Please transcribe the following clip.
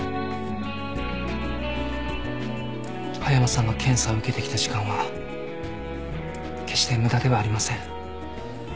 葉山さんが検査を受けてきた時間は決して無駄ではありません。